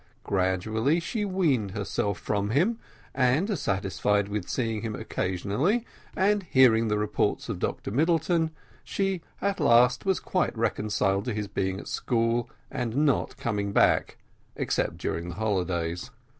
Gradually she weaned herself from him, and, satisfied with seeing him occasionally and hearing the reports of Dr Middleton, she at last was quite reconciled to his being at school, and not coming back except during the holidays.